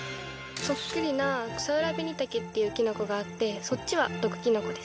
そっくりなクサウラベニタケっていうきのこがあってそっちは毒きのこです。